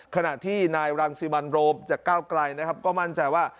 ขณะที่นายรังซิมลโรมโอฮนเธอจากก้าวไกลก็มั่นใจว่า